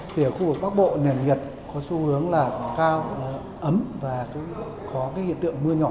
thì ở khu vực bắc bộ nền nhiệt có xu hướng là cao ấm và có cái hiện tượng mưa nhỏ